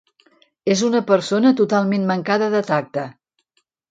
És una persona totalment mancada de tacte.